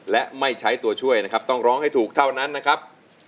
และไม่ใช้ตัวช่วยนะครับต้องร้องให้ถูกเท่านั้นนะครับ